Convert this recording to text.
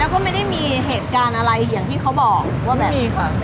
แล้วก็ไม่ได้มีเหตุการณ์อะไรอย่างที่เขาบอกว่าแบบนี้ค่ะ